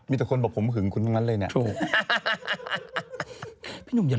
มีแต่คนบอกผมหึงคุณทั้งนั้นเลยเนี่ย